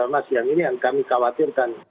mas yang ini yang kami khawatirkan